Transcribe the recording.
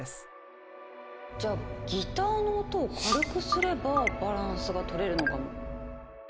じゃあギターの音を軽くすればバランスが取れるのかも。